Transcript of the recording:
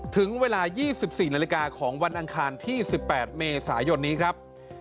ถึงเวลา๒๔นาฬิกาของวันอังคารที่๑๘เมษายนนี้ครับ